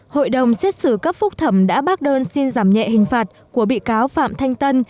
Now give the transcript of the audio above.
hội đồng xét xử cấp phúc thẩm đã bác đơn xin giảm nhẹ hình phạt của bị cáo phạm thanh tân